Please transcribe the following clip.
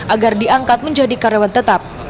agar diangkat menjadi karyawan tetap